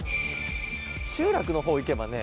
集落の方行けばね。